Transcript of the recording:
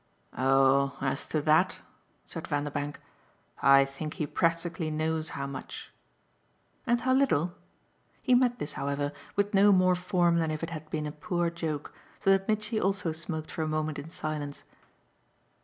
"Oh as to THAT" said Vanderbank, "I think he practically knows how much." "And how little?" He met this, however, with no more form than if it had been a poor joke, so that Mitchy also smoked for a moment in silence.